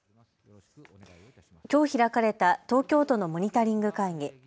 きょう開かれた東京都のモニタリング会議。